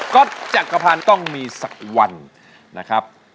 ก็จักรพันธ์ต้องมีสักวันนะครับ